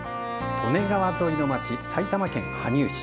利根川沿いの町、埼玉県羽生市。